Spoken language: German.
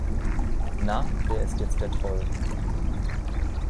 Na, wer ist jetzt der Troll?